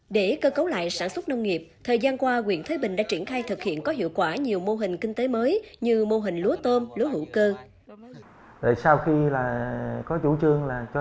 để cơ cấu lại sản xuất nông nghiệp thời gian qua quyện thới bình đã triển khai thực hiện có hiệu quả nhiều mô hình kinh tế mới như mô hình lúa tôm lúa hữu cơ